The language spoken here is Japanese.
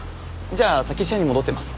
じゃあ先社に戻ってます。